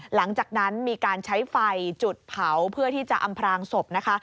หลังจากนั้นมีการใช้ไฟจุดเผาเพื่อที่จะอำพรางศพนะคะ